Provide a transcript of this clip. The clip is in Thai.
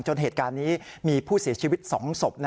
เหตุการณ์นี้มีผู้เสียชีวิต๒ศพ